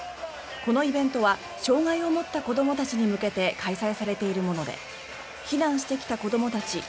このイベントは障害を持った子どもたちに向けて開催されているもので避難してきた子どもたち